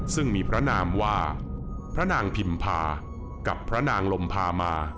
ซึ่งมีพระนามว่าพระนางพิมพากับพระนางลมพามา